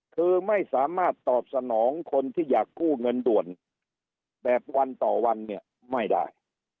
คือไม่สามารถตอบสนองคนที่อยากกู้เงินด่วนแบบวันต่อวันเนี่ยไม่ได้